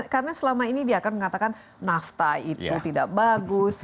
karena selama ini dia akan mengatakan nafta itu tidak bagus